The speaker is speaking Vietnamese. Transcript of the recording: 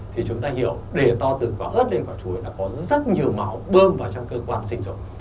thì chúng ta hiểu để to từ vỏ ớt lên quả chuối là có rất nhiều máu bơm vào trong cơ quan sinh rồi